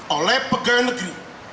oleh pegawai negeri